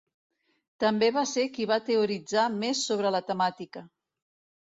També va ser qui va teoritzar més sobre la temàtica.